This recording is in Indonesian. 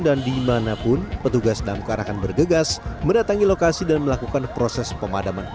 dan dimanapun petugas dalam kearahkan bergegas mendatangi lokasi dan melakukan proses pemadaman